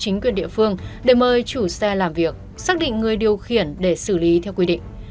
chính quyền địa phương để mời chủ xe làm việc xác định người điều khiển để xử lý theo quy định